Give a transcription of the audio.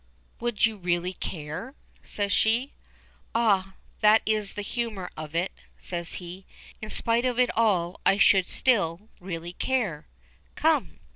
"Would you really care?" says she. "Ah! That is the humor of it," says he. "In spite of all I should still really care. Come."